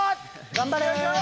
頑張れー。